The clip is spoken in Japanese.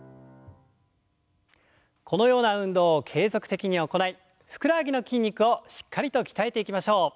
このような運動を継続的に行いふくらはぎの筋肉をしっかりと鍛えていきましょう。